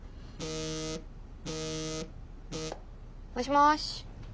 もしもし？